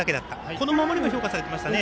この守りも評価されてましたね